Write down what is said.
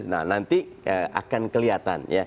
nah nanti akan kelihatan